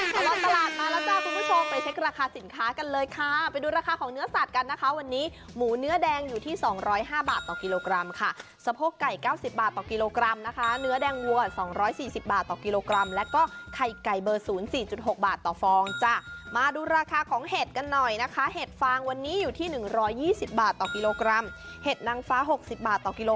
ตลอดตลาดมาแล้วจ้าคุณผู้ชมไปเช็คราคาสินค้ากันเลยค่ะไปดูราคาของเนื้อสัตว์กันนะคะวันนี้หมูเนื้อแดงอยู่ที่๒๐๕บาทต่อกิโลกรัมค่ะสะโพกไก่เก้าสิบบาทต่อกิโลกรัมนะคะเนื้อแดงวัว๒๔๐บาทต่อกิโลกรัมแล้วก็ไข่ไก่เบอร์๐๔๖บาทต่อฟองจ้ะมาดูราคาของเห็ดกันหน่อยนะคะเห็ดฟางวันนี้อยู่ที่๑๒๐บาทต่อกิโลกรัมเห็ดนางฟ้า๖๐บาทต่อกิโล